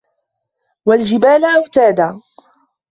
وَالْجِبَالَ أَوْتَادًا